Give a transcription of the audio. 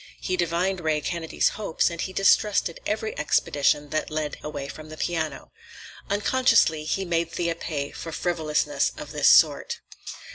He divined Ray Kennedy's hopes, and he distrusted every expedition that led away from the piano. Unconsciously he made Thea pay for frivolousness of this sort.